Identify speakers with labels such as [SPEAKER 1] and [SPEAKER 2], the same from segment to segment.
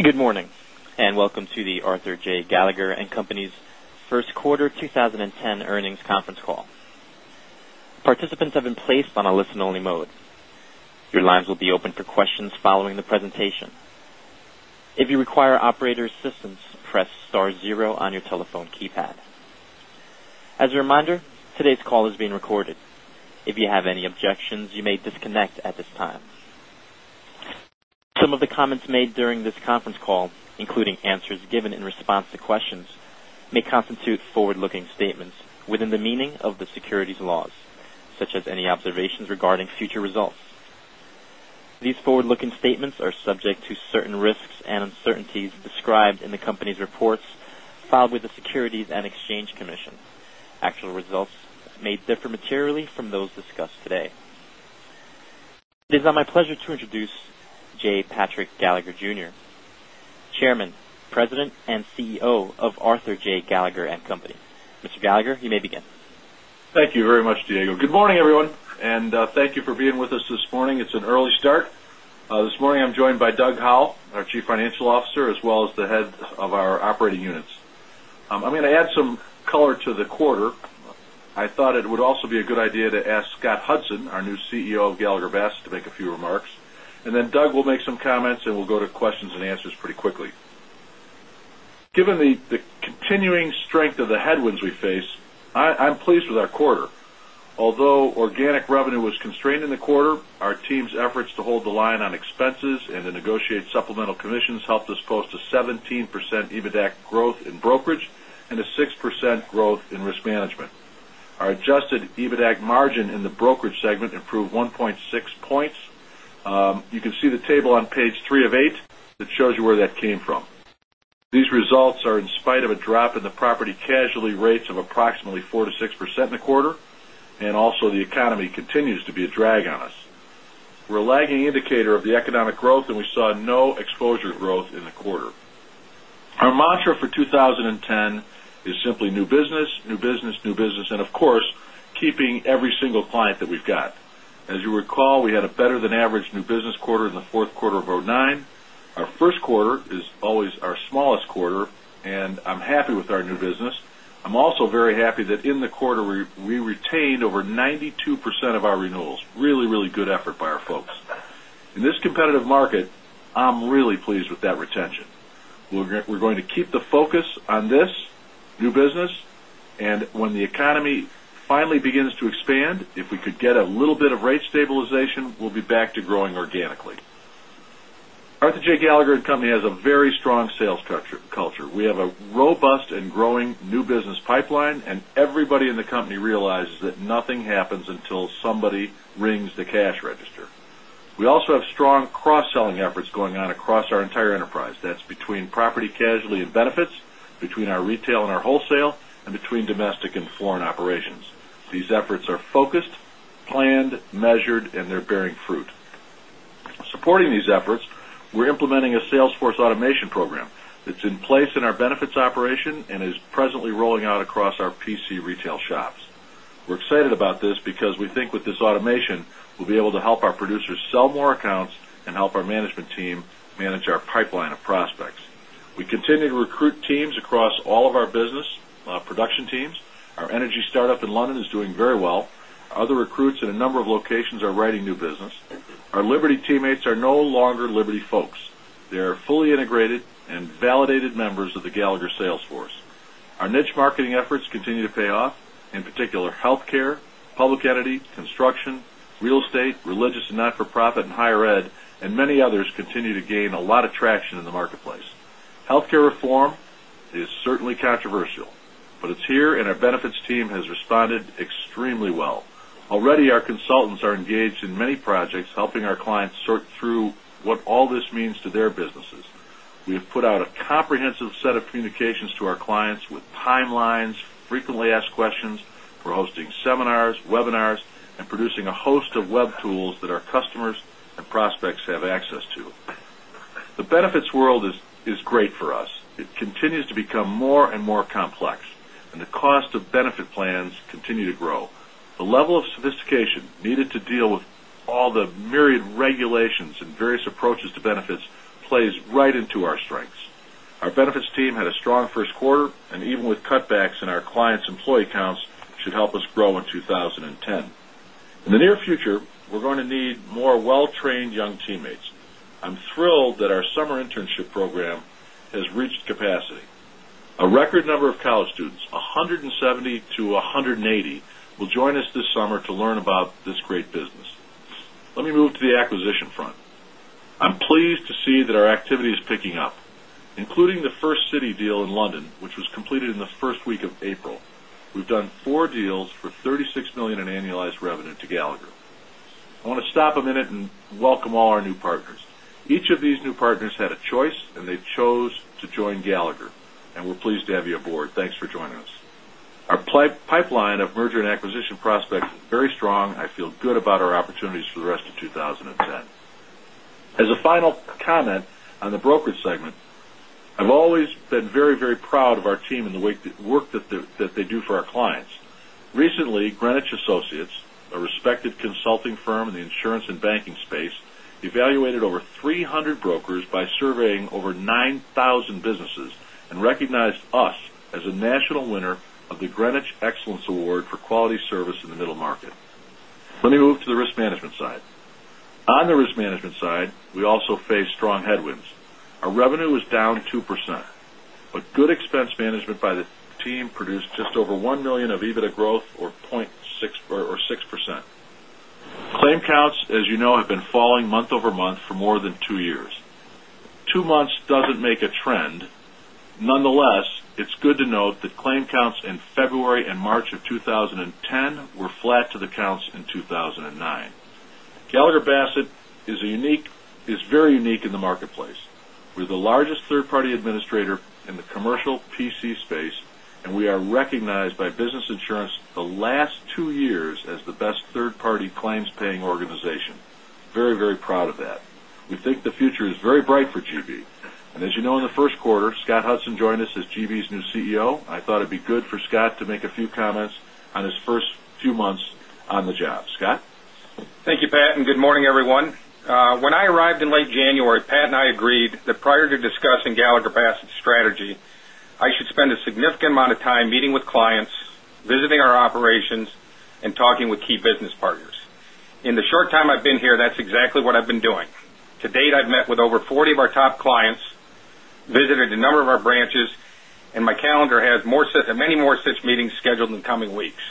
[SPEAKER 1] Good morning, welcome to the Arthur J. Gallagher & Co.'s first quarter 2010 earnings conference call. Participants have been placed on a listen-only mode. Your lines will be open for questions following the presentation. If you require operator assistance, press star zero on your telephone keypad. As a reminder, today's call is being recorded. If you have any objections, you may disconnect at this time. Some of the comments made during this conference call, including answers given in response to questions, may constitute forward-looking statements within the meaning of the securities laws, such as any observations regarding future results. These forward-looking statements are subject to certain risks and uncertainties described in the company's reports filed with the Securities and Exchange Commission. Actual results may differ materially from those discussed today. It is now my pleasure to introduce J. Patrick Gallagher Jr., Chairman, President, and CEO of Arthur J. Gallagher & Co. Mr. Gallagher, you may begin.
[SPEAKER 2] Thank you very much, Diego. Good morning, everyone, thank you for being with us this morning. It's an early start. This morning, I'm joined by Doug Howell, our Chief Financial Officer, as well as the heads of our operating units. I'm going to add some color to the quarter. I thought it would also be a good idea to ask Scott Hudson, our new CEO of Gallagher Bassett, to make a few remarks, then Doug will make some comments, and we'll go to questions and answers pretty quickly. Given the continuing strength of the headwinds we face, I'm pleased with our quarter. Although organic revenue was constrained in the quarter, our team's efforts to hold the line on expenses and to negotiate supplemental commissions helped us post a 17% EBITDA growth in brokerage and a 6% growth in risk management. Our adjusted EBITDA margin in the brokerage segment improved 1.6 points. You can see the table on page three of eight that shows you where that came from. These results are in spite of a drop in the property casualty rates of approximately 4%-6% in the quarter, also the economy continues to be a drag on us. We're a lagging indicator of the economic growth, we saw no exposure growth in the quarter. Our mantra for 2010 is simply new business. Of course, keeping every single client that we've got. As you recall, we had a better-than-average new business quarter in the fourth quarter of 2009. Our first quarter is always our smallest quarter, I'm happy with our new business. I'm also very happy that in the quarter, we retained over 92% of our renewals. Really good effort by our folks. In this competitive market, I'm really pleased with that retention. We're going to keep the focus on this new business, and when the economy finally begins to expand, if we could get a little bit of rate stabilization, we'll be back to growing organically. Arthur J. Gallagher & Co. has a very strong sales culture. We have a robust and growing new business pipeline, and everybody in the company realizes that nothing happens until somebody rings the cash register. We also have strong cross-selling efforts going on across our entire enterprise. That's between property/casualty and benefits, between our retail and our wholesale, and between domestic and foreign operations. These efforts are focused, planned, measured, and they're bearing fruit. Supporting these efforts, we're implementing a sales force automation program that's in place in our benefits operation and is presently rolling out across our PC retail shops. We're excited about this because we think with this automation, we'll be able to help our producers sell more accounts and help our management team manage our pipeline of prospects. We continue to recruit teams across all of our business production teams. Our energy startup in London is doing very well. Other recruits in a number of locations are writing new business. Our Liberty teammates are no longer Liberty folks. They are fully integrated and validated members of the Gallagher sales force. Our niche marketing efforts continue to pay off. In particular, healthcare, public entity, construction, real estate, religious and not-for-profit, and higher ed, and many others continue to gain a lot of traction in the marketplace. Healthcare reform is certainly controversial, but it's here, and our benefits team has responded extremely well. Already, our consultants are engaged in many projects, helping our clients sort through what all this means to their businesses. We have put out a comprehensive set of communications to our clients with timelines, frequently asked questions. We're hosting seminars, webinars, and producing a host of web tools that our customers and prospects have access to. The benefits world is great for us. It continues to become more and more complex, and the cost of benefit plans continue to grow. The level of sophistication needed to deal with all the myriad regulations and various approaches to benefits plays right into our strengths. Our benefits team had a strong first quarter, and even with cutbacks in our clients' employee counts, should help us grow in 2010. In the near future, we're going to need more well-trained young teammates. I'm thrilled that our summer internship program has reached capacity. A record number of college students, 170 to 180, will join us this summer to learn about this great business. Let me move to the acquisition front. I'm pleased to see that our activity is picking up, including the First City deal in London, which was completed in the first week of April. We've done four deals for $36 million in annualized revenue to Gallagher. I want to stop a minute and welcome all our new partners. Each of these new partners had a choice, and they chose to join Gallagher, and we're pleased to have you aboard. Thanks for joining us. Our pipeline of merger and acquisition prospects is very strong. I feel good about our opportunities for the rest of 2010. As a final comment on the brokerage segment, I've always been very proud of our team and the work that they do for our clients. Recently, Greenwich Associates, a respected consulting firm in the insurance and banking space, evaluated over 300 brokers by surveying over 9,000 businesses and recognized us as a national winner of the Greenwich Excellence Award for quality service in the middle market. Let me move to the risk management side. On the risk management side, we also face strong headwinds. Our revenue was down 2%, but good expense management by the team produced just over $1 million of EBITDA growth or 6%. Claim counts, as you know, have been falling month-over-month for more than two years. Two months doesn't make a trend. Nonetheless, it's good to note that claim counts in February and March of 2010 were flat to the counts in 2009. Gallagher Bassett is very unique in the marketplace. We're the largest third-party administrator in the commercial PC space, and we are recognized by Business Insurance the last two years as the best third-party claims-paying organization. Very proud of that. We think the future is very bright for GB. As you know, in the first quarter, Scott Hudson joined us as GB's new CEO. I thought it'd be good for Scott to make a few comments on his first few months on the job. Scott?
[SPEAKER 3] Thank you, Pat, good morning, everyone. When I arrived in late January, Pat and I agreed that prior to discussing Gallagher Bassett's strategy, I should spend a significant amount of time meeting with clients, visiting our operations, and talking with key business partners. In the short time I've been here, that's exactly what I've been doing. To date, I've met with over 40 of our top clients, visited a number of our branches, and my calendar has many more such meetings scheduled in the coming weeks.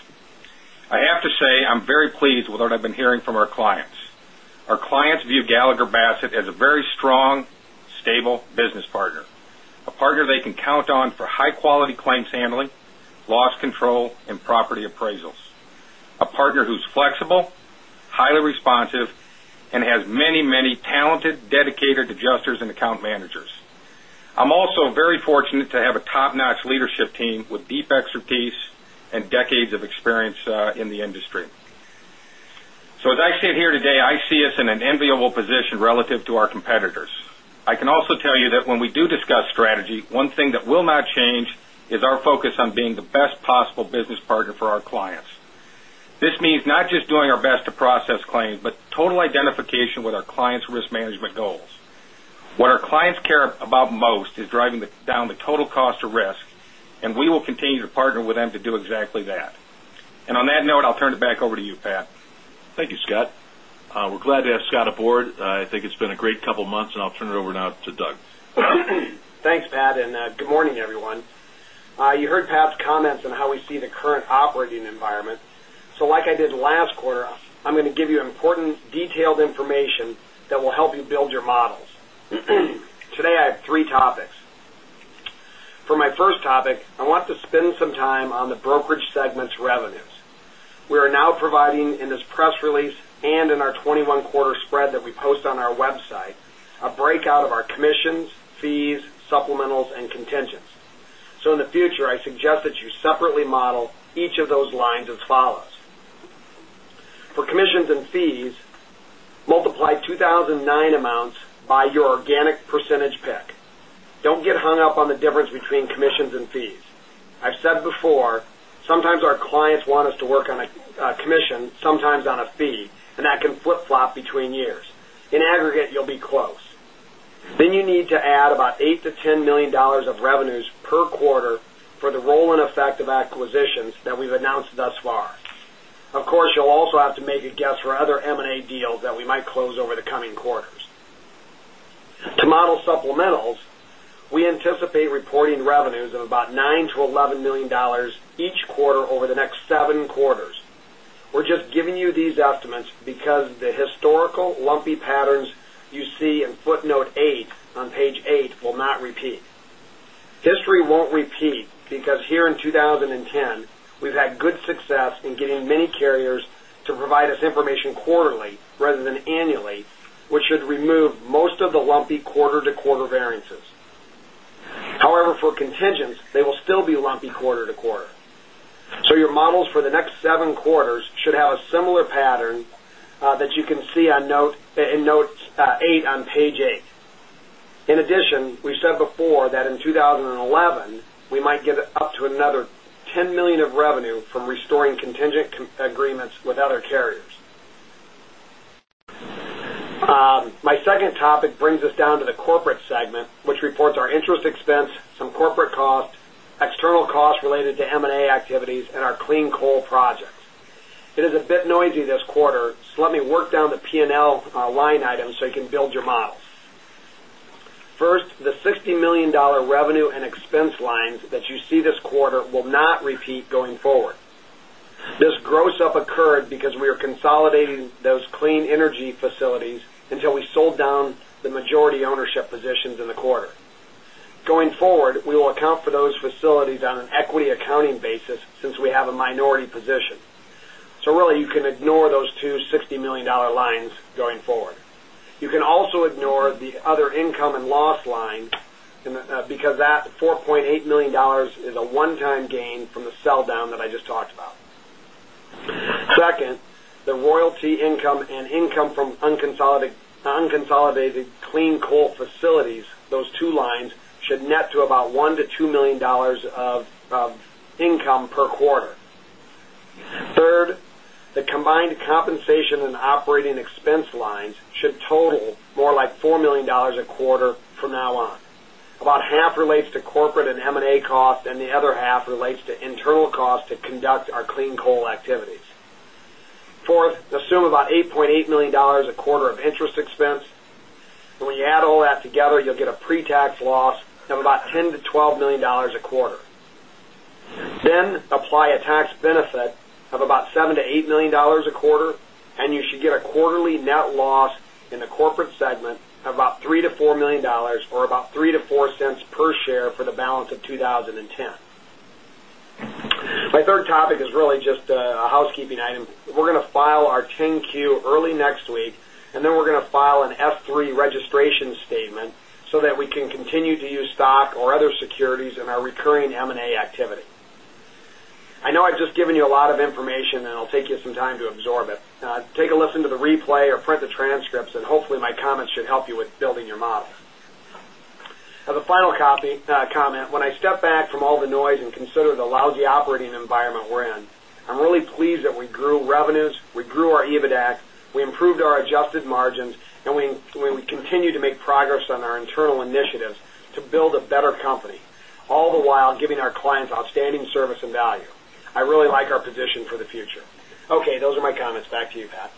[SPEAKER 3] I have to say, I'm very pleased with what I've been hearing from our clients. Our clients view Gallagher Bassett as a very strong, stable business partner, a partner they can count on for high-quality claims handling, loss control, and property appraisals. A partner who's flexible, highly responsive, and has many talented, dedicated adjusters and account managers. I'm also very fortunate to have a top-notch leadership team with deep expertise and decades of experience in the industry. As I sit here today, I see us in an enviable position relative to our competitors. I can also tell you that when we do discuss strategy, one thing that will not change is our focus on being the best possible business partner for our clients. What our clients care about most is driving down the total cost of risk, we will continue to partner with them to do exactly that. On that note, I'll turn it back over to you, Pat.
[SPEAKER 2] Thank you, Scott. We're glad to have Scott aboard. I think it's been a great couple of months. I'll turn it over now to Doug.
[SPEAKER 4] Thanks, Pat. Good morning, everyone. You heard Pat's comments on how we see the current operating environment. Like I did last quarter, I'm going to give you important, detailed information that will help you build your models. Today, I have three topics. For my first topic, I want to spend some time on the brokerage segment's revenues. We are now providing in this press release and in our 21-quarter spread that we post on our website, a breakout of our commissions, fees, supplementals, and contingents. In the future, I suggest that you separately model each of those lines as follows. For commissions and fees, multiply 2009 amounts by your organic percentage pick. Don't get hung up on the difference between commissions and fees. I've said before, sometimes our clients want us to work on a commission, sometimes on a fee, and that can flip-flop between years. In aggregate, you'll be close. You need to add about $8 million-$10 million of revenues per quarter for the roll-in effect of acquisitions that we've announced thus far. Of course, you'll also have to make a guess for other M&A deals that we might close over the coming quarters. To model supplementals, we anticipate reporting revenues of about $9 million-$11 million each quarter over the next seven quarters. We're just giving you these estimates because the historical lumpy patterns you see in footnote eight on page eight will not repeat. History won't repeat because here in 2010, we've had good success in getting many carriers to provide us information quarterly rather than annually, which should remove most of the lumpy quarter-to-quarter variances. However, for contingents, they will still be lumpy quarter-to-quarter. Your models for the next seven quarters should have a similar pattern that you can see in note eight on page eight. In addition, we've said before that in 2011, we might give up to another $10 million of revenue from restoring contingent agreements with other carriers. My second topic brings us down to the corporate segment, which reports our interest expense, some corporate cost, external cost related to M&A activities, and our clean coal projects. It is a bit noisy this quarter. Let me work down the P&L line items so you can build your models. First, the $60 million revenue and expense lines that you see this quarter will not repeat going forward. This gross-up occurred because we are consolidating those clean energy facilities until we sold down the majority ownership positions in the quarter. Going forward, we will account for those facilities on an equity accounting basis since we have a minority position. Really, you can ignore those two $60 million lines going forward. You can also ignore the other income and loss line because that $4.8 million is a one-time gain from the sell-down that I just talked about. Second, the royalty income and income from unconsolidated clean coal facilities, those two lines, should net to about $1 million to $2 million of income per quarter. Third, the combined compensation and operating expense lines should total more like $4 million a quarter from now on. About half relates to corporate and M&A costs, and the other half relates to internal costs to conduct our clean coal activities. Fourth, assume about $8.8 million a quarter of interest expense. When you add all that together, you'll get a pre-tax loss of about $10 million to $12 million a quarter. Apply a tax benefit of about $7 million to $8 million a quarter, you should get a quarterly net loss in the corporate segment of about $3 million to $4 million or about $0.03 to $0.04 per share for the balance of 2010. My third topic is really just a housekeeping item. We're going to file our 10-Q early next week, then we're going to file an S-3 registration statement so that we can continue to use stock or other securities in our recurring M&A activity. I know I've just given you a lot of information, it'll take you some time to absorb it. Take a listen to the replay or print the transcripts, hopefully my comments should help you with building your model. As a final comment, when I step back from all the noise and consider the lousy operating environment we're in, I'm really pleased that we grew revenues, we grew our EBITDA, we improved our adjusted margins, we continue to make progress on our internal initiatives to build a better company, all the while giving our clients outstanding service and value. I really like our position for the future. Okay. Those are my comments. Back to you, Pat.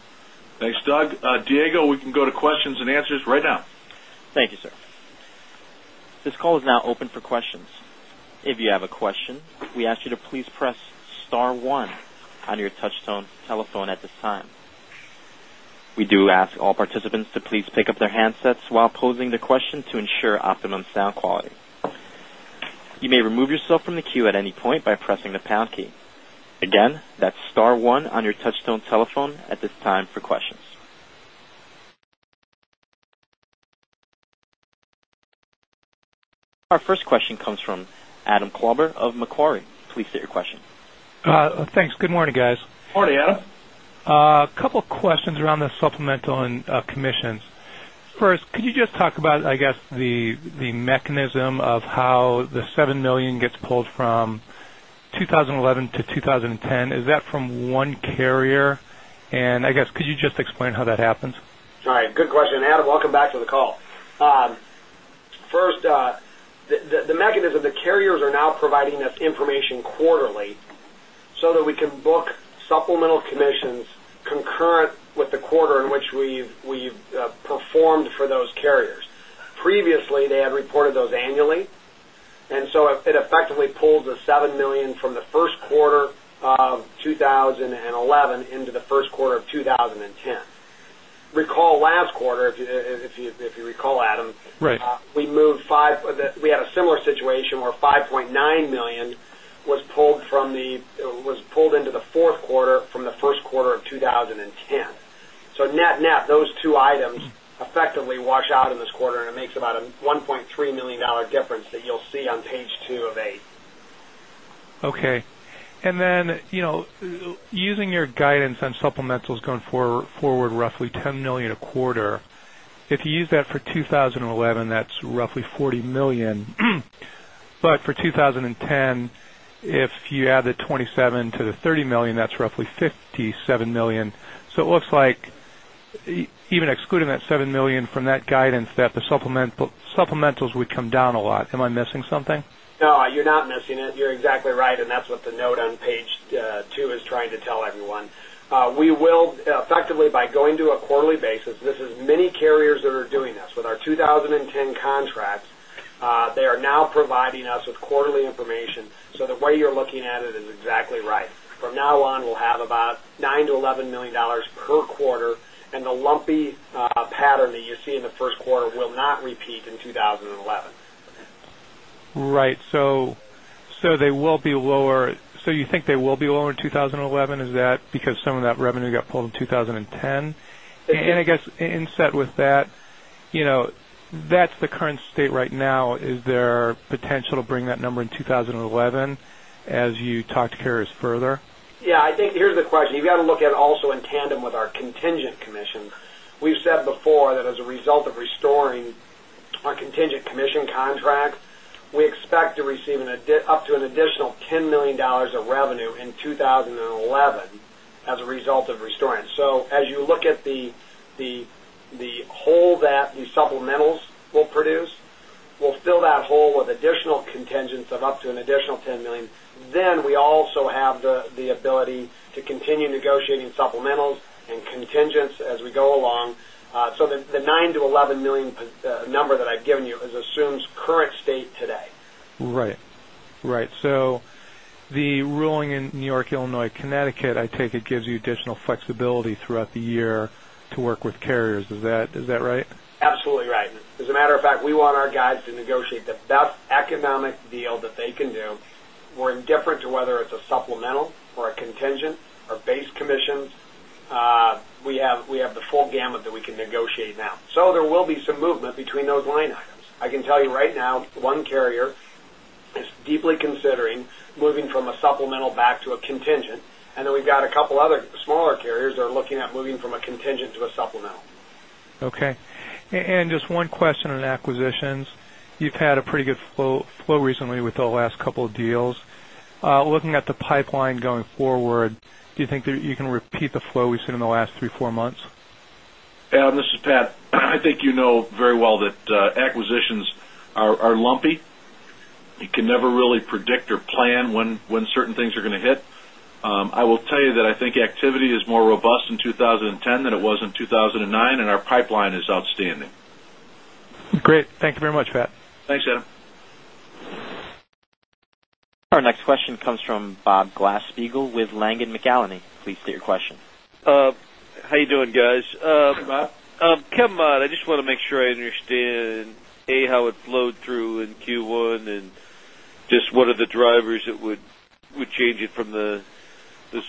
[SPEAKER 2] Thanks, Doug. Diego, we can go to questions and answers right now.
[SPEAKER 1] Thank you, sir. This call is now open for questions. If you have a question, we ask you to please press star one on your touch tone telephone at this time. We do ask all participants to please pick up their handsets while posing the question to ensure optimum sound quality. You may remove yourself from the queue at any point by pressing the pound key. Again, that's star one on your touchtone telephone at this time for questions. Our first question comes from Adam Klauber of Macquarie. Please state your question.
[SPEAKER 5] Thanks. Good morning, guys.
[SPEAKER 4] Morning, Adam.
[SPEAKER 5] A couple questions around the supplemental and commissions. First, could you just talk about, I guess, the mechanism of how the $7 million gets pulled from 2011 to 2010? Is that from one carrier? I guess could you just explain how that happens?
[SPEAKER 4] All right. Good question, Adam. Welcome back to the call. First, the mechanism. The carriers are now providing us information quarterly so that we can book supplemental commissions concurrent with the quarter in which we've performed for those carriers. Previously, they had reported those annually. It effectively pulls the $7 million from the first quarter of 2011 into the first quarter of 2010. If you recall Adam-
[SPEAKER 5] Right
[SPEAKER 4] we had a similar situation where $5.9 million was pulled into the fourth quarter from the first quarter of 2010. Net-net, those two items effectively wash out in this quarter, and it makes about a $1.3 million difference that you'll see on page two of eight.
[SPEAKER 5] Okay. Using your guidance on supplementals going forward, roughly $10 million a quarter. If you use that for 2011, that's roughly $40 million. For 2010, if you add the $27 million to the $30 million, that's roughly $57 million. It looks like even excluding that $7 million from that guidance, that the supplementals would come down a lot. Am I missing something?
[SPEAKER 4] No, you're not missing it. You're exactly right, that's what the note on page two is trying to tell everyone. We will effectively, by going to a quarterly basis, this is many carriers that are doing this. With our 2010 contracts, they are now providing us with quarterly information. The way you're looking at it is exactly right. From now on, we'll have about $9 million to $11 million per quarter, and the lumpy pattern that you see in the first quarter will not repeat in 2011.
[SPEAKER 5] Right. You think they will be lower in 2011? Is that because some of that revenue got pulled in 2010? I guess, inset with that's the current state right now. Is there potential to bring that number in 2011 as you talk to carriers further?
[SPEAKER 4] Yeah, I think here's the question. You've got to look at also in tandem with our contingent commissions. We've said before that as a result of restoring our contingent commission contract, we expect to receive up to an additional $10 million of revenue in 2011 as a result of restoring it. As you look at the hole that the supplementals will produce, we'll fill that hole with additional contingents of up to an additional $10 million. We also have the ability to continue negotiating supplementals and contingents as we go along. The $9 million-$11 million number that I've given you assumes current state today.
[SPEAKER 5] Right. The ruling in N.Y., Illinois, Connecticut, I take it, gives you additional flexibility throughout the year to work with carriers. Is that right?
[SPEAKER 4] Absolutely right. As a matter of fact, we want our guys to negotiate the best economic deal that they can do. We're indifferent to whether it's a supplemental or a contingent or base commissions. We have the full gamut that we can negotiate now. There will be some movement between those line items. I can tell you right now, one carrier is deeply considering moving from a supplemental back to a contingent. We've got a couple other smaller carriers that are looking at moving from a contingent to a supplemental.
[SPEAKER 5] Okay. Just one question on acquisitions. You've had a pretty good flow recently with the last couple of deals. Looking at the pipeline going forward, do you think that you can repeat the flow we've seen in the last three, four months?
[SPEAKER 2] Yeah, this is Pat. I think you know very well that acquisitions are lumpy. You can never really predict or plan when certain things are going to hit. I will tell you that I think activity is more robust in 2010 than it was in 2009. Our pipeline is outstanding.
[SPEAKER 5] Great. Thank you very much, Pat.
[SPEAKER 2] Thanks, Adam.
[SPEAKER 1] Our next question comes from Bob Glasspiegel with Langen McAlenney. Please state your question.
[SPEAKER 6] How you doing, guys?
[SPEAKER 2] Hi.
[SPEAKER 6] Kevin, I just want to make sure I understand, A, how it flowed through in Q1, and just what are the drivers that would change it from the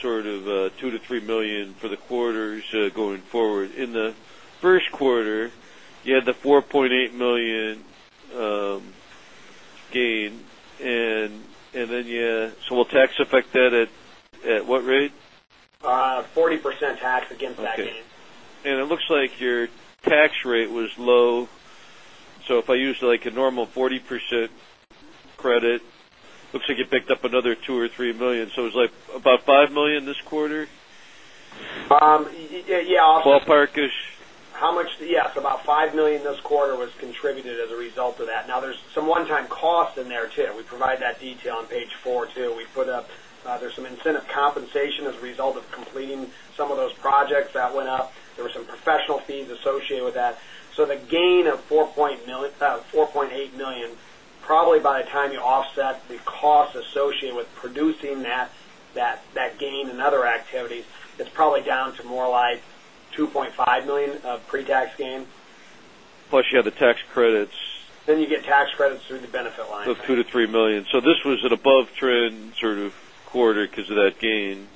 [SPEAKER 6] sort of $2 million-$3 million for the quarters going forward. In the first quarter, you had the $4.8 million gain. Will tax affect that at what rate?
[SPEAKER 4] 40% tax against that gain.
[SPEAKER 6] Okay. It looks like your tax rate was low. If I use a normal 40% credit, looks like it picked up another $2 or $3 million. It was about $5 million this quarter?
[SPEAKER 4] Yeah.
[SPEAKER 6] Ballpark-ish.
[SPEAKER 4] Yes, about $5 million this quarter was contributed as a result of that. There's some one-time costs in there, too. We provide that detail on page four, too. There's some incentive compensation as a result of completing some of those projects. That went up. There were some professional fees associated with that. The gain of $4.8 million, probably by the time you offset the cost associated with producing that gain and other activities, it's probably down to more like $2.5 million of pre-tax gain.
[SPEAKER 6] Plus you have the tax credits.
[SPEAKER 4] You get tax credits through the benefit line.
[SPEAKER 6] Of $2 million-$3 million. This was an above-trend sort of quarter because of that gain.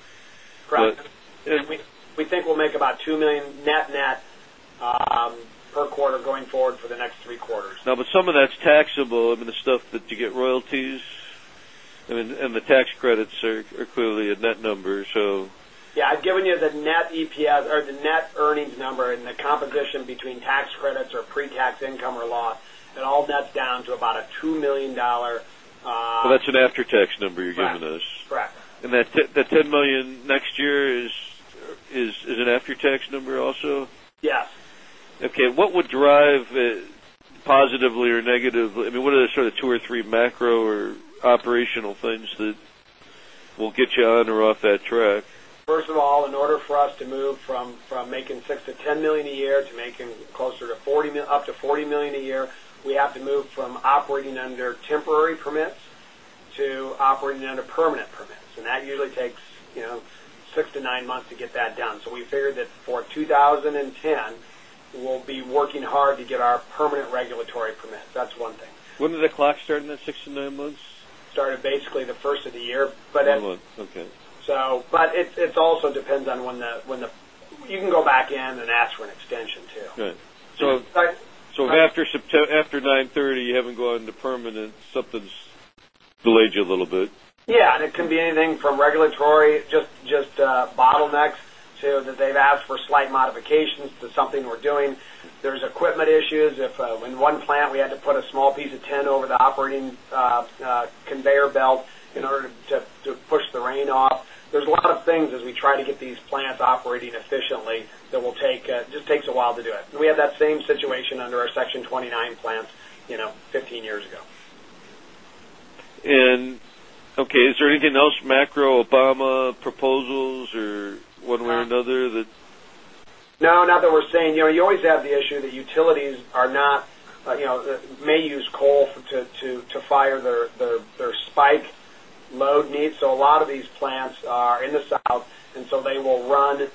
[SPEAKER 4] Correct. We think we'll make about $2 million net per quarter going forward for the next three quarters.
[SPEAKER 6] Some of that's taxable. I mean, the stuff that you get royalties. The tax credits are clearly a net number.
[SPEAKER 4] Yeah, I've given you the net EPS or the net earnings number, and the composition between tax credits or pre-tax income or loss, and all that's down to about a $2 million.
[SPEAKER 6] That's an after-tax number you're giving us.
[SPEAKER 4] Correct.
[SPEAKER 6] That $10 million next year, is an after-tax number also?
[SPEAKER 4] Yes.
[SPEAKER 6] Okay, what would drive positively or negatively? I mean, what are the sort of two or three macro or operational things that will get you on or off that track?
[SPEAKER 4] First of all, in order for us to move from making $6 to $10 million a year to making up to $40 million a year, we have to move from operating under temporary permits to operating under permanent permits. That usually takes six to nine months to get that done. We figure that for 2010, we'll be working hard to get our permanent regulatory permit. That's one thing.
[SPEAKER 6] When did the clock start in that six to nine months?
[SPEAKER 4] Started basically the first of the year.
[SPEAKER 6] Okay.
[SPEAKER 4] It also depends on when you can go back in and ask for an extension, too.
[SPEAKER 6] Right. After 9/30, you haven't gone to permanent. Something's delayed you a little bit.
[SPEAKER 4] Yeah, it can be anything from regulatory, just bottlenecks, to that they've asked for slight modifications to something we're doing. There's equipment issues. In one plant, we had to put a small piece of tin over the operating conveyor belt in order to push the rain off. There's a lot of things as we try to get these plants operating efficiently that just takes a while to do it. We had that same situation under our Section 29 plants 15 years ago.
[SPEAKER 6] Okay, is there anything else, macro Obama proposals or one way or another that?
[SPEAKER 4] No, not that we're saying. You always have the issue that utilities may use coal to fire their spike load needs. A lot of these plants are in the South, they will run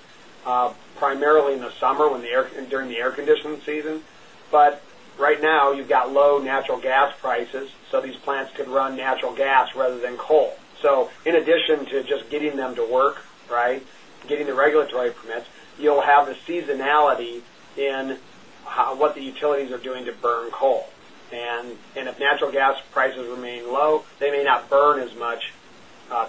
[SPEAKER 4] primarily in the summer during the air conditioning season. Right now, you've got low natural gas prices, these plants could run natural gas rather than coal. In addition to just getting them to work, getting the regulatory permits, you'll have the seasonality in what the utilities are doing to burn coal. If natural gas prices remain low, they may not burn as much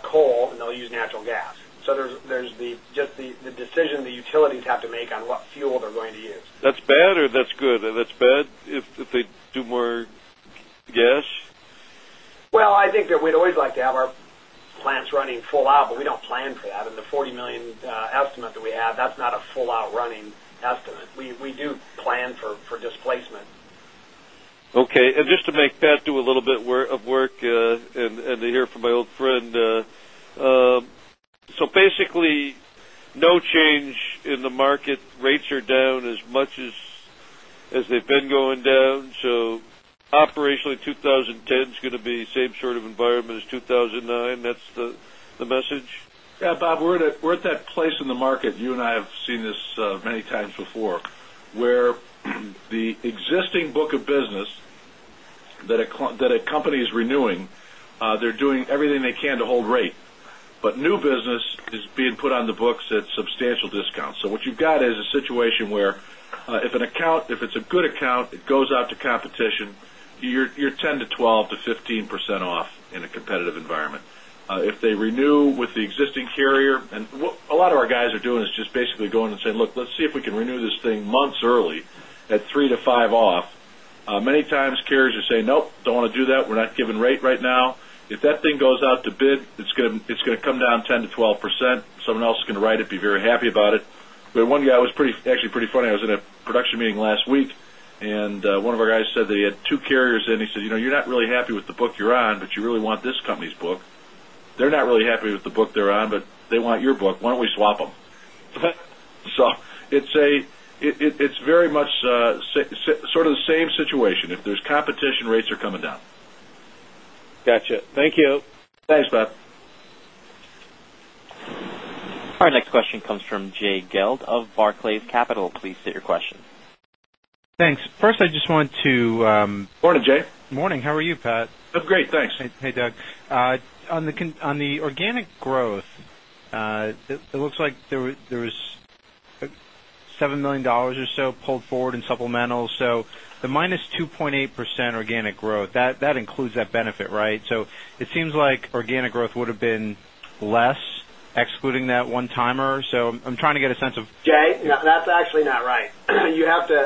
[SPEAKER 4] coal, and they'll use natural gas. There's just the decision the utilities have to make on what fuel they're going to use.
[SPEAKER 6] That's bad or that's good? That's bad if they do more gas?
[SPEAKER 4] Well, I think that we'd always like to have our plants running full out, but we don't plan for that. The $40 million estimate that we have, that's not a full-out running estimate. We do plan for displacement.
[SPEAKER 6] Okay. Just to make Pat do a little bit of work, and to hear from my old friend. Basically, no change in the market. Rates are down as much as they've been going down. Operationally, 2010's going to be same sort of environment as 2009. That's the message?
[SPEAKER 2] Yeah, Bob, we're at that place in the market, you and I have seen this many times before, where the existing book of business that a company is renewing, they're doing everything they can to hold rate. New business is being put on the books at substantial discounts. What you've got is a situation where if it's a good account, it goes out to competition. You're 10% to 12% to 15% off in a competitive environment. If they renew with the existing carrier, and what a lot of our guys are doing is just basically going and saying, "Look, let's see if we can renew this thing months early at 3%-5% off." Many times, carriers are saying, "Nope, don't want to do that. We're not giving rate right now." If that thing goes out to bid, it's going to come down 10%-12%. Someone else is going to write it, be very happy about it. One guy was actually pretty funny. I was in a production meeting last week, one of our guys said that he had two carriers in. He said, "You're not really happy with the book you're on, but you really want this company's book. They're not really happy with the book they're on, but they want your book. Why don't we swap them?" It's very much sort of the same situation. If there's competition, rates are coming down.
[SPEAKER 6] Got you. Thank you.
[SPEAKER 2] Thanks, Bob.
[SPEAKER 1] Our next question comes from Jay Gelb of Barclays Capital. Please state your question.
[SPEAKER 7] Thanks. First.
[SPEAKER 2] Morning, Jay.
[SPEAKER 7] Morning. How are you, Pat?
[SPEAKER 2] I'm great, thanks.
[SPEAKER 7] Hey, Doug. On the organic growth, it looks like there was $7 million or so pulled forward in supplemental. The minus 2.8% organic growth, that includes that benefit, right? It seems like organic growth would've been less excluding that one-timer. I'm trying to get a sense of.
[SPEAKER 4] Jay Gelb, that's actually not right. The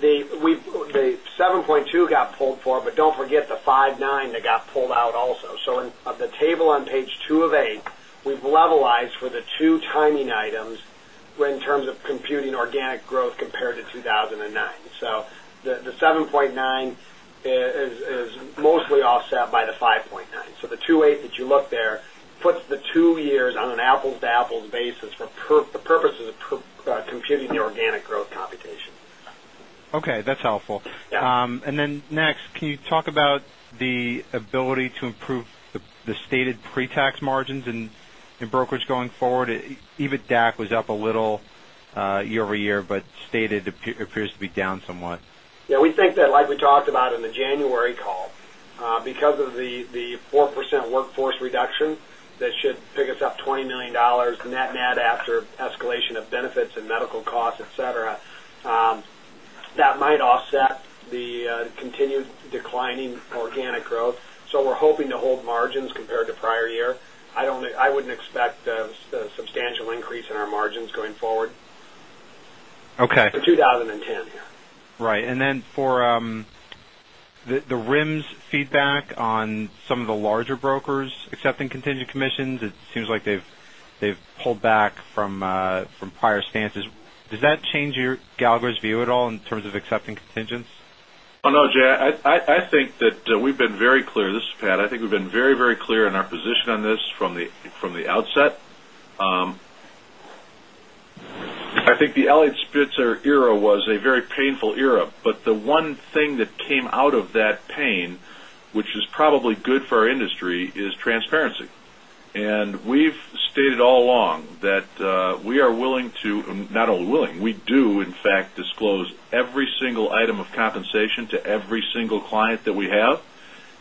[SPEAKER 4] 7.2 got pulled forward, but don't forget the 5.9 that got pulled out also. Of the table on Page two of eight, we've levelized for the two timing items in terms of computing organic growth compared to 2009. The 7.9 is mostly offset by the 5.9. The 2.8 that you look there puts the two years on an apples-to-apples basis for the purposes of computing the organic growth computation.
[SPEAKER 7] Okay, that's helpful.
[SPEAKER 4] Yeah.
[SPEAKER 7] Next, can you talk about the ability to improve the stated pre-tax margins in brokers going forward? EBITDAC was up a little year-over-year, stated appears to be down somewhat.
[SPEAKER 4] Yeah, we think that, like we talked about in the January call, because of the 4% workforce reduction, that should pick us up $20 million net-net after escalation of benefits and medical costs, et cetera. That might offset the continued declining organic growth. We're hoping to hold margins compared to prior year. I wouldn't expect a substantial increase in our margins going forward.
[SPEAKER 7] Okay.
[SPEAKER 4] For 2010.
[SPEAKER 7] Right. Then for the RIMS feedback on some of the larger brokers accepting contingent commissions, it seems like they've pulled back from prior stances. Does that change Gallagher's view at all in terms of accepting contingents?
[SPEAKER 2] Oh, no, Jay. This is Pat. I think we've been very, very clear on our position on this from the outset. I think the Eliot Spitzer era was a very painful era. The one thing that came out of that pain, which is probably good for our industry, is transparency. We've stated all along that we are willing to, not only willing, we do, in fact, disclose every single item of compensation to every single client that we have.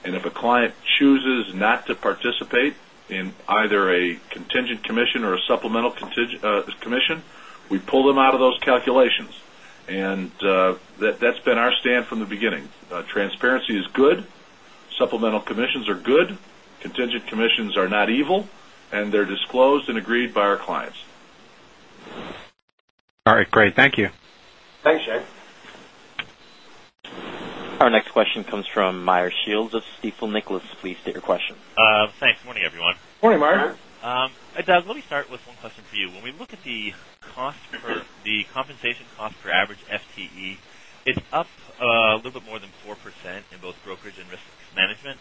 [SPEAKER 2] If a client chooses not to participate in either a contingent commission or a supplemental commission, we pull them out of those calculations. That's been our stand from the beginning. Transparency is good. Supplemental commissions are good. Contingent commissions are not evil, and they're disclosed and agreed by our clients.
[SPEAKER 7] All right. Great. Thank you.
[SPEAKER 4] Thanks, Jay.
[SPEAKER 1] Our next question comes from Meyer Shields of Stifel, Nicolaus. Please state your question.
[SPEAKER 8] Thanks. Morning, everyone.
[SPEAKER 4] Morning, Meyer.
[SPEAKER 8] Doug, let me start with one question for you. When we look at the compensation cost per average FTE, it's up a little bit more than 4% in both brokerage and risk management.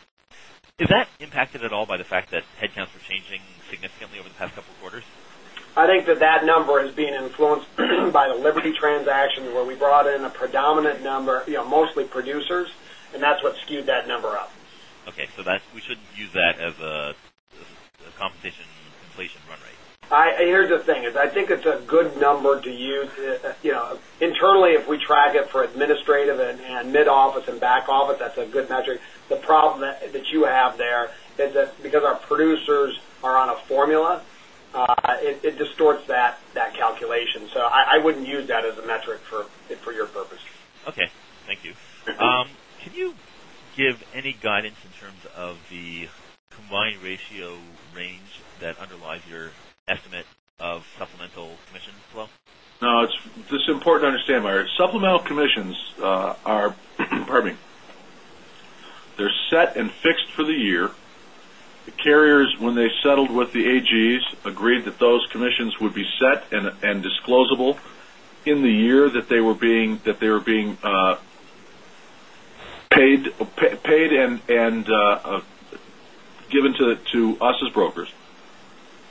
[SPEAKER 8] Is that impacted at all by the fact that headcounts were changing significantly over the past couple of quarters?
[SPEAKER 4] I think that that number is being influenced by the Liberty transaction, where we brought in a predominant number, mostly producers, and that's what skewed that number up.
[SPEAKER 8] Okay. We shouldn't use that as a compensation run rate.
[SPEAKER 4] Here's the thing, is I think it's a good number to use. Internally, if we track it for administrative and mid-office and back office, that's a good metric. The problem that you have there is that because our producers are on a formula, it distorts that calculation. I wouldn't use that as a metric for your purpose.
[SPEAKER 8] Okay. Thank you. Can you give any guidance in terms of the combined ratio range that underlies your estimate of supplemental commission flow?
[SPEAKER 2] No, it's important to understand, Meyer. Supplemental commissions, they're set and fixed for the year. The carriers, when they settled with the AGs, agreed that those commissions would be set and disclosable in the year that they were being paid and given to us as brokers.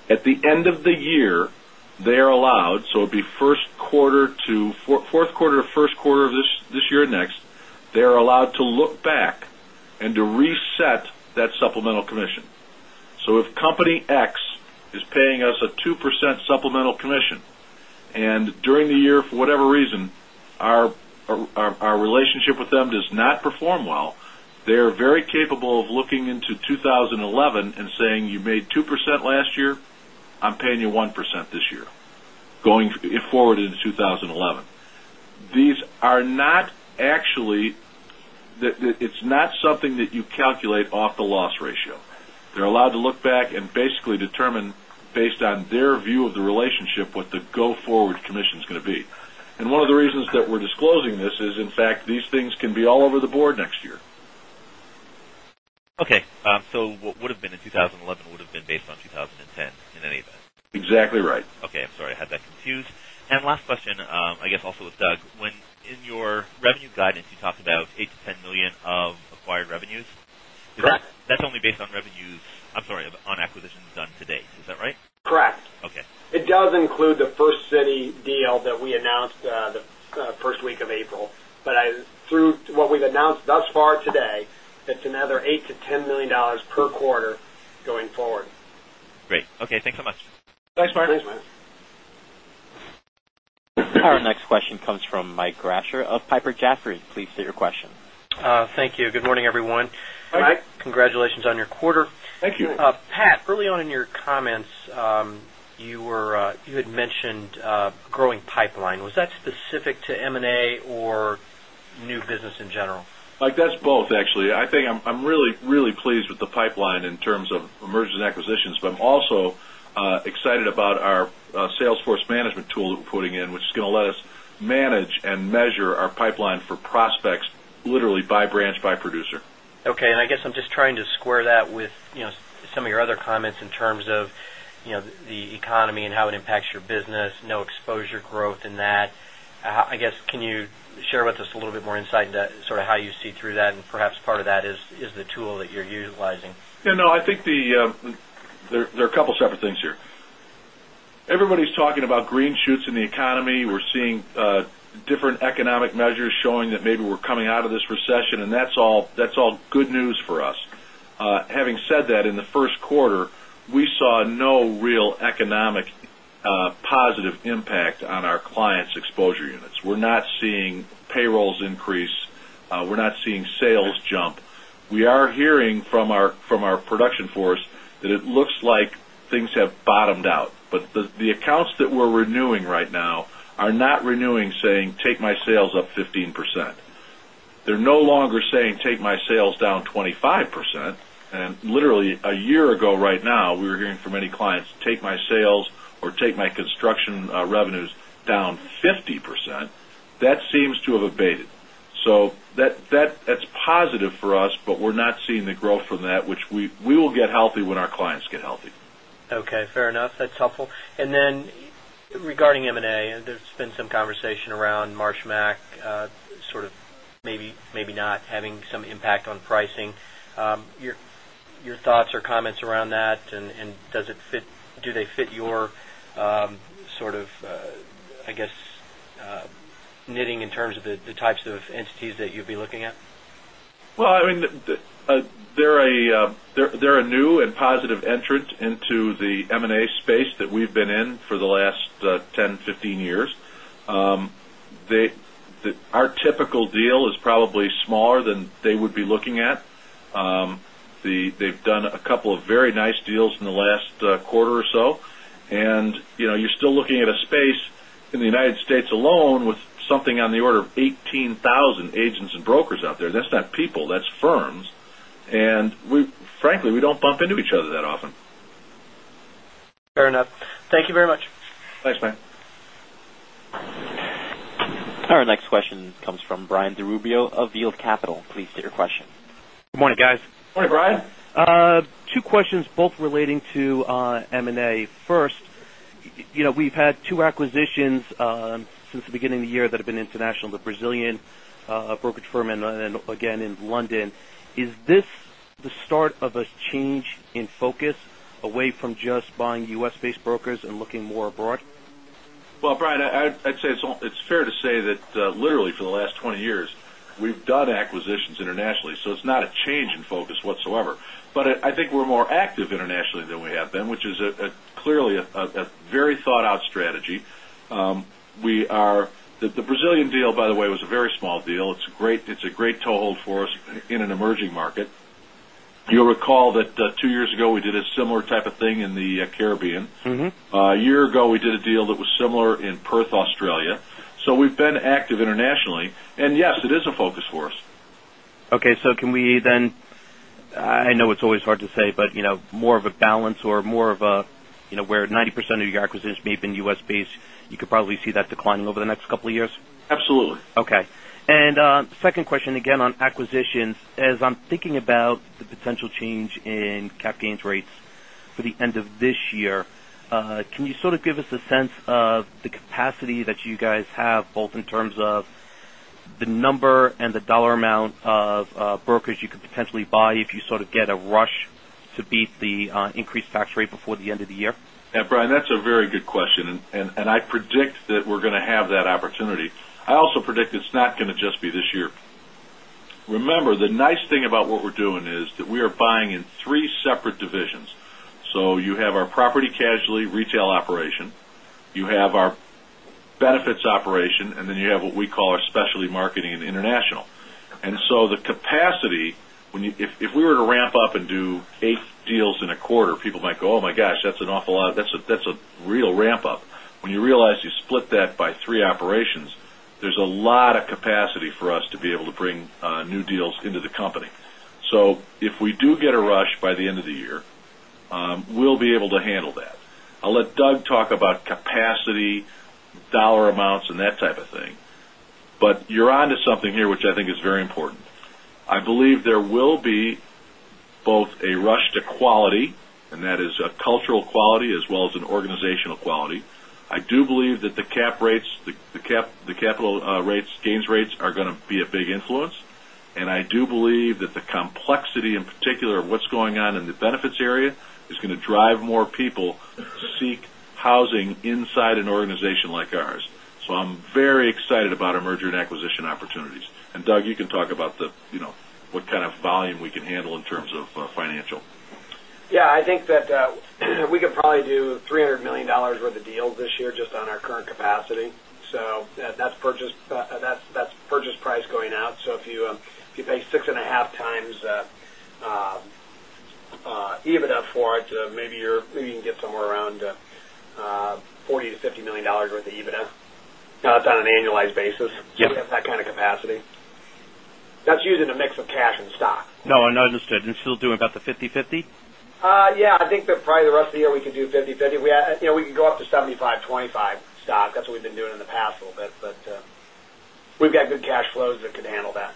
[SPEAKER 2] At the end of the year, they are allowed, so it'd be fourth quarter to first quarter of this year next, they are allowed to look back and to reset that supplemental commission. if company X is paying us a 2% supplemental commission. during the year, for whatever reason, our relationship with them does not perform well, they are very capable of looking into 2011 and saying, "You made 2% last year. I'm paying you 1% this year," going forward into 2011. It's not something that you calculate off the loss ratio. They're allowed to look back and basically determine, based on their view of the relationship, what the go-forward commission's going to be. one of the reasons that we're disclosing this is, in fact, these things can be all over the board next year.
[SPEAKER 8] Okay. what would've been in 2011 would've been based on 2010 in any event?
[SPEAKER 2] Exactly right.
[SPEAKER 8] Okay. I'm sorry, I had that confused. Last question, I guess also with Doug. In your revenue guidance, you talked about $8 million-$10 million of acquired revenues?
[SPEAKER 4] Correct.
[SPEAKER 8] That's only based on revenues, I'm sorry, on acquisitions done to date. Is that right?
[SPEAKER 4] Correct.
[SPEAKER 8] Okay.
[SPEAKER 4] It does include the First City deal that we announced the first week of April. Through what we've announced thus far today, that's another $8 million-$10 million per quarter going forward.
[SPEAKER 8] Great. Okay, thanks so much.
[SPEAKER 2] Thanks, Meyer.
[SPEAKER 4] Thanks, man.
[SPEAKER 1] Our next question comes from Mike Rascher of Piper Jaffray. Please state your question.
[SPEAKER 9] Thank you. Good morning, everyone.
[SPEAKER 2] Hi.
[SPEAKER 4] Hi.
[SPEAKER 9] Congratulations on your quarter.
[SPEAKER 2] Thank you.
[SPEAKER 9] Pat, early on in your comments, you had mentioned a growing pipeline. Was that specific to M&A or new business in general?
[SPEAKER 2] That's both, actually. I think I'm really pleased with the pipeline in terms of mergers and acquisitions, but I'm also excited about our sales force management tool that we're putting in, which is going to let us manage and measure our pipeline for prospects, literally by branch, by producer.
[SPEAKER 9] Okay. I guess I'm just trying to square that with some of your other comments in terms of the economy and how it impacts your business, no exposure growth and that. I guess can you share with us a little bit more insight into how you see through that, and perhaps part of that is the tool that you're utilizing?
[SPEAKER 2] No, I think there are a couple separate things here. Everybody's talking about green shoots in the economy. We're seeing different economic measures showing that maybe we're coming out of this recession, and that's all good news for us. Having said that, in the first quarter, we saw no real economic positive impact on our clients' exposure units. We're not seeing payrolls increase. We're not seeing sales jump. We are hearing from our production force that it looks like things have bottomed out. The accounts that we're renewing right now are not renewing saying, "Take my sales up 15%." They're no longer saying, "Take my sales down 25%," and literally a year ago right now, we were hearing from many clients, "Take my sales or take my construction revenues down 50%." That seems to have abated. That's positive for us, but we're not seeing the growth from that. We will get healthy when our clients get healthy.
[SPEAKER 9] Okay. Fair enough. That's helpful. Regarding M&A, there's been some conversation around Marsh & McLennan sort of maybe not having some impact on pricing. Your thoughts or comments around that, do they fit your sort of, I guess, knitting in terms of the types of entities that you'd be looking at?
[SPEAKER 2] Well, they're a new and positive entrant into the M&A space that we've been in for the last 10, 15 years. Our typical deal is probably smaller than they would be looking at. They've done a couple of very nice deals in the last quarter or so, you're still looking at a space in the U.S. alone with something on the order of 18,000 agents and brokers out there. That's not people, that's firms. Frankly, we don't bump into each other that often.
[SPEAKER 9] Fair enough. Thank you very much.
[SPEAKER 2] Thanks, man.
[SPEAKER 1] Our next question comes from Brian Desrubio of Yield Capital. Please state your question.
[SPEAKER 10] Good morning, guys.
[SPEAKER 2] Morning, Brian.
[SPEAKER 10] Two questions, both relating to M&A. First, we've had two acquisitions since the beginning of the year that have been international, the Brazilian brokerage firm and then again in London. Is this the start of a change in focus away from just buying U.S.-based brokers and looking more abroad?
[SPEAKER 2] Well, Brian, I'd say it's fair to say that literally for the last 20 years, we've done acquisitions internationally. It's not a change in focus whatsoever. I think we're more active internationally than we have been, which is clearly a very thought-out strategy. The Brazilian deal, by the way, was a very small deal. It's a great toehold for us in an emerging market. You'll recall that two years ago, we did a similar type of thing in the Caribbean. One year ago, we did a deal that was similar in Perth, Australia. We've been active internationally. Yes, it is a focus for us.
[SPEAKER 10] Okay. I know it's always hard to say, more of a balance or more of a where 90% of your acquisitions may have been U.S.-based, you could probably see that declining over the next couple of years?
[SPEAKER 2] Absolutely.
[SPEAKER 10] Okay. Second question, again on acquisitions. As I'm thinking about the potential change in capital gains rates for the end of this year, can you sort of give us a sense of the capacity that you guys have, both in terms of the number and the dollar amount of brokers you could potentially buy if you sort of get a rush to beat the increased tax rate before the end of the year?
[SPEAKER 2] Brian, that's a very good question, and I predict that we're going to have that opportunity. I also predict it's not going to just be this year. Remember, the nice thing about what we're doing is that we are buying in three separate divisions. You have our property/casualty retail operation, you have our benefits operation, and then you have what we call our specialty marketing and international. The capacity, if we were to ramp up and do 8 deals in a quarter, people might go, "Oh my gosh, that's an awful lot. That's a real ramp-up." When you realize you split that by three operations, there's a lot of capacity for us to be able to bring new deals into the company. If we do get a rush by the end of the year, we'll be able to handle that. I'll let Doug talk about capacity, $ amounts, and that type of thing. You're onto something here, which I think is very important. I believe there will be both a rush to quality, and that is a cultural quality as well as an organizational quality. I do believe that the capital gains rates are going to be a big influence, and I do believe that the complexity, in particular, of what's going on in the benefits area, is going to drive more people to seek housing inside an organization like ours. I'm very excited about our merger and acquisition opportunities. Doug, you can talk about what kind of volume we can handle in terms of financial.
[SPEAKER 4] I think that we could probably do $300 million worth of deals this year just on our current capacity. That's purchase price going out. If you pay 6.5 times EBITDA for it, maybe you can get somewhere around $40 million-$50 million worth of EBITDA. That's on an annualized basis.
[SPEAKER 10] Yes.
[SPEAKER 4] We have that kind of capacity. That's using a mix of cash and stock.
[SPEAKER 10] No, understood. Still doing about the 50/50?
[SPEAKER 4] Yeah, I think that probably the rest of the year we could do 50/50. We can go up to 75/25 stock. That's what we've been doing in the past a little bit, but we've got good cash flows that could handle that.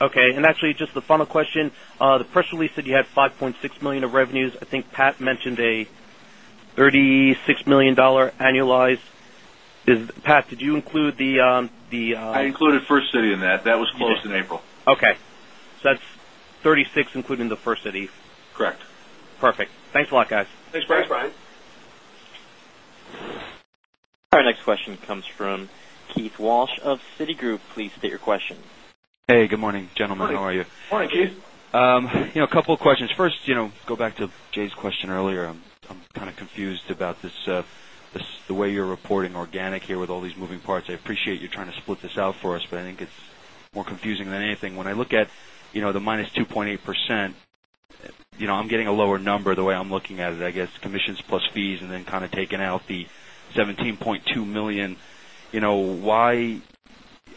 [SPEAKER 10] Okay. Actually, just the final question, the press release said you had $5.6 million of revenues. I think Pat mentioned a $36 million annualized. Pat, did you include the-
[SPEAKER 2] I included First City in that. That was closed in April.
[SPEAKER 10] Okay. That's 36, including the First City.
[SPEAKER 2] Correct.
[SPEAKER 10] Perfect. Thanks a lot, guys.
[SPEAKER 2] Thanks, Brian.
[SPEAKER 4] Thanks, Brian.
[SPEAKER 1] Our next question comes from Keith Walsh of Citigroup. Please state your question.
[SPEAKER 11] Hey, good morning, gentlemen. How are you?
[SPEAKER 2] Morning.
[SPEAKER 4] Morning, Keith.
[SPEAKER 11] A couple of questions. First, go back to Jay's question earlier. I'm kind of confused about the way you're reporting organic here with all these moving parts. I appreciate you trying to split this out for us, but I think it's more confusing than anything. When I look at the minus 2.8%, I'm getting a lower number the way I'm looking at it, I guess commissions plus fees and then kind of taking out the $17.2 million.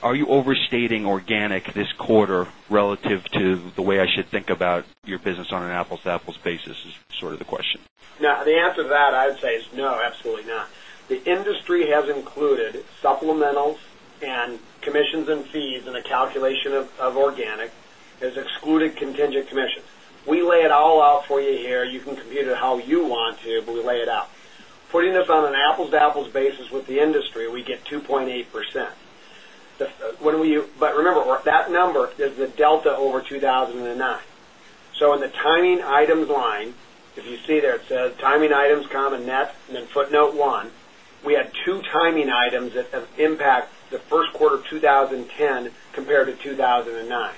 [SPEAKER 11] Are you overstating organic this quarter relative to the way I should think about your business on an apples-to-apples basis, is sort of the question.
[SPEAKER 4] The answer to that, I'd say, is no, absolutely not. The industry has included supplementals and commissions and fees in the calculation of organic, has excluded contingent commission. We lay it all out for you here. You can compute it how you want to, we lay it out. Putting this on an apples-to-apples basis with the industry, we get 2.8%. Remember, that number is the delta over 2009. In the timing items line, if you see there, it says timing items, net, and then footnote 1, we had two timing items that have impact the first quarter of 2010 compared to 2009.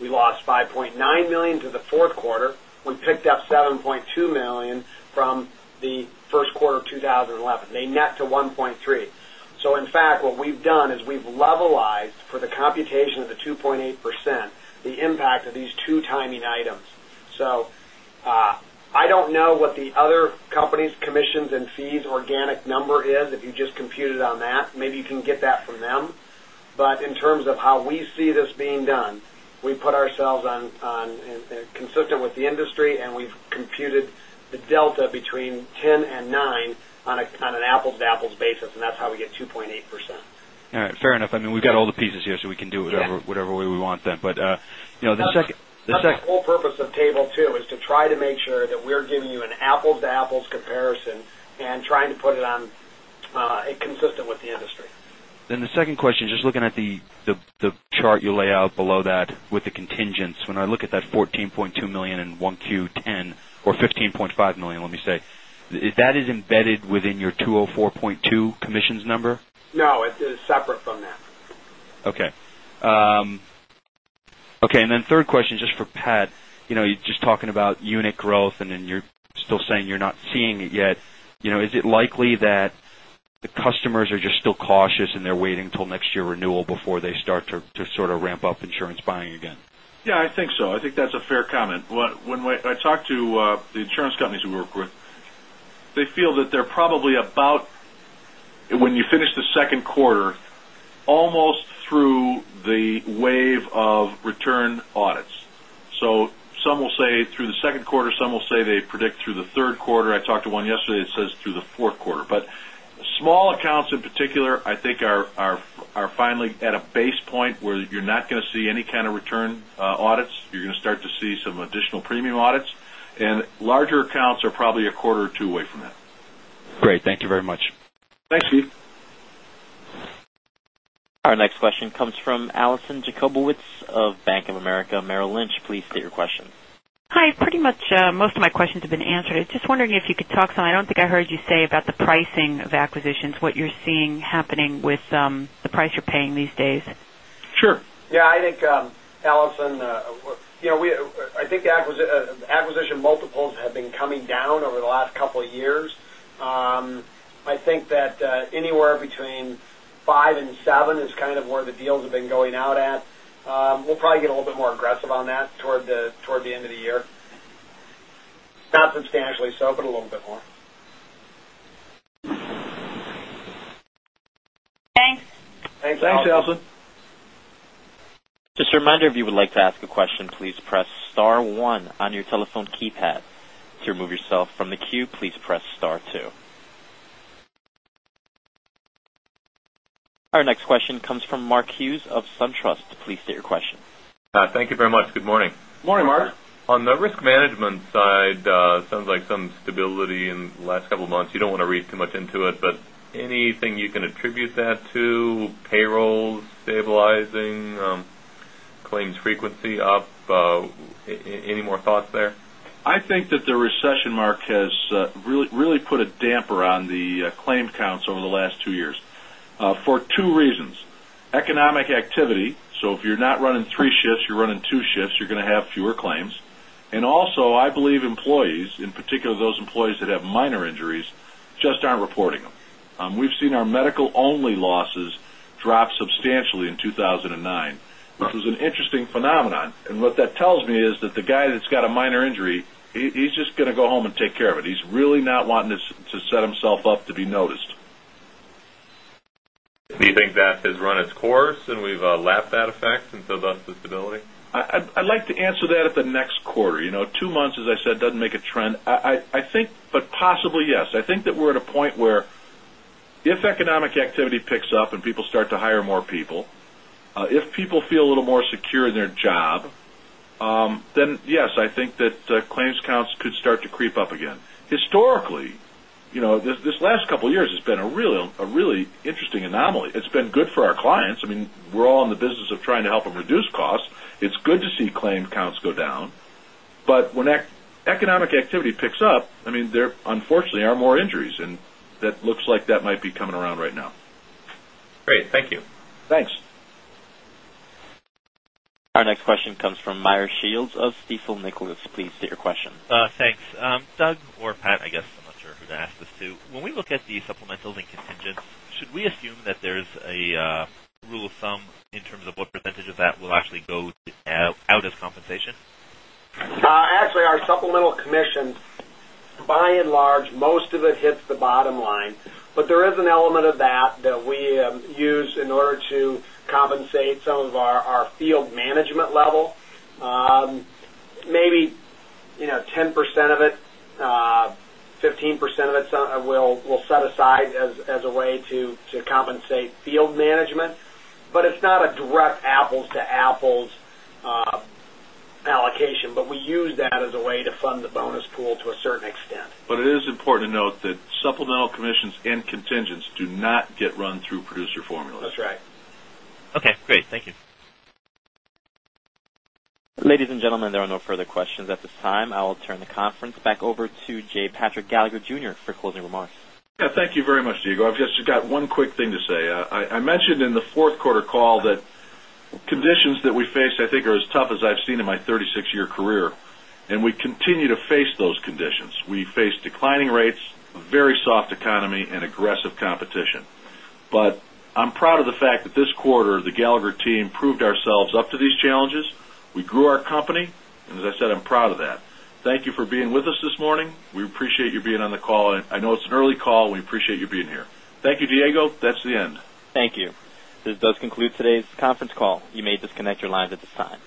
[SPEAKER 4] We lost $5.9 million to the fourth quarter. We picked up $7.2 million from the first quarter of 2011. They net to $1.3. In fact, what we've done is we've levelized for the computation of the 2.8%, the impact of these two timing items. I don't know what the other company's commissions and fees organic number is. If you just compute it on that, maybe you can get that from them. In terms of how we see this being done, we put ourselves consistent with the industry, and we've computed the delta between 2010 and 2009 on an apples-to-apples basis, and that's how we get 2.8%.
[SPEAKER 11] All right. Fair enough. We've got all the pieces here, we can do whatever way we want then.
[SPEAKER 4] That's the whole purpose of table 2, is to try to make sure that we're giving you an apples-to-apples comparison, and trying to put it consistent with the industry.
[SPEAKER 11] The second question, just looking at the chart you lay out below that with the contingents. When I look at that $14.2 million in 1Q 2010 or $15.5 million, let me say, that is embedded within your $204.2 commissions number?
[SPEAKER 4] No, it is separate from that.
[SPEAKER 11] Okay. The third question, just for Pat, you're just talking about unit growth, and you're still saying you're not seeing it yet. Is it likely that the customers are just still cautious and they're waiting until next year renewal before they start to sort of ramp up insurance buying again?
[SPEAKER 2] Yeah, I think so. I think that's a fair comment. When I talk to the insurance companies we work with, they feel that they're probably about, when you finish the second quarter, almost through the wave of return audits. Some will say through the second quarter, some will say they predict through the third quarter. I talked to one yesterday that says through the fourth quarter. Small accounts in particular, I think, are finally at a base point where you're not going to see any kind of return audits. You're going to start to see some additional premium audits, and larger accounts are probably a quarter or two away from that.
[SPEAKER 11] Great. Thank you very much.
[SPEAKER 2] Thanks, Keith.
[SPEAKER 1] Our next question comes from Allison Jacobowitz of Bank of America Merrill Lynch. Please state your question.
[SPEAKER 12] Hi. Pretty much most of my questions have been answered. I was just wondering if you could talk some, I don't think I heard you say about the pricing of acquisitions, what you're seeing happening with the price you're paying these days.
[SPEAKER 2] Sure.
[SPEAKER 4] Yeah, I think, Allison, I think the acquisition multiples have been coming down over the last couple of years. I think that anywhere between five and seven is kind of where the deals have been going out at. We'll probably get a little bit more aggressive on that toward the end of the year. Not substantially so, but a little bit more.
[SPEAKER 12] Thanks.
[SPEAKER 4] Thanks, Allison.
[SPEAKER 2] Thanks, Allison.
[SPEAKER 1] Just a reminder, if you would like to ask a question, please press star one on your telephone keypad. To remove yourself from the queue, please press star two. Our next question comes from Mark Hughes of SunTrust. Please state your question.
[SPEAKER 13] Thank you very much. Good morning.
[SPEAKER 2] Good morning, Mark.
[SPEAKER 13] On the risk management side, sounds like some stability in the last couple of months. You don't want to read too much into it, but anything you can attribute that to? Payroll stabilizing, claims frequency up, any more thoughts there?
[SPEAKER 2] I think that the recession, Mark, has really put a damper on the claim counts over the last two years, for two reasons. Economic activity. If you're not running three shifts, you're running two shifts, you're going to have fewer claims. Also, I believe employees, in particular, those employees that have minor injuries, just aren't reporting them. We've seen our medical-only losses drop substantially in 2009, which was an interesting phenomenon. What that tells me is that the guy that's got a minor injury, he's just going to go home and take care of it. He's really not wanting to set himself up to be noticed.
[SPEAKER 13] Do you think that has run its course and we've lapped that effect thus the stability?
[SPEAKER 2] I'd like to answer that at the next quarter. Two months, as I said, doesn't make a trend. I think, possibly, yes. I think that we're at a point where if economic activity picks up and people start to hire more people, if people feel a little more secure in their job, then yes, I think that claims counts could start to creep up again. Historically, this last couple of years has been a really interesting anomaly. It's been good for our clients. We're all in the business of trying to help them reduce costs. It's good to see claim counts go down. When economic activity picks up, there unfortunately are more injuries, and that looks like that might be coming around right now.
[SPEAKER 13] Great. Thank you.
[SPEAKER 2] Thanks.
[SPEAKER 1] Our next question comes from Meyer Shields of Stifel, Nicolaus. Please state your question.
[SPEAKER 8] Thanks. Doug or Pat, I guess I am not sure who to ask this to. When we look at the supplementals and contingents, should we assume that there is a rule of thumb in terms of what percentage of that will actually go out as compensation?
[SPEAKER 4] Our supplemental commission, by and large, most of it hits the bottom line. There is an element of that that we use in order to compensate some of our field management level. Maybe 10% of it, 15% of it we will set aside as a way to compensate field management. It is not a direct apples-to-apples allocation, but we use that as a way to fund the bonus pool to a certain extent.
[SPEAKER 2] It is important to note that supplemental commissions and contingents do not get run through producer formulas.
[SPEAKER 4] That is right.
[SPEAKER 8] Okay, great. Thank you.
[SPEAKER 1] Ladies and gentlemen, there are no further questions at this time. I will turn the conference back over to J. Patrick Gallagher Jr. for closing remarks.
[SPEAKER 2] Yeah. Thank you very much, Diego. I've just got one quick thing to say. I mentioned in the fourth quarter call that conditions that we face, I think are as tough as I've seen in my 36-year career. We continue to face those conditions. We face declining rates, a very soft economy, and aggressive competition. I'm proud of the fact that this quarter, the Gallagher team proved ourselves up to these challenges. We grew our company. As I said, I'm proud of that. Thank you for being with us this morning. We appreciate you being on the call. I know it's an early call. We appreciate you being here. Thank you, Diego. That's the end.
[SPEAKER 1] Thank you. This does conclude today's conference call. You may disconnect your lines at this time.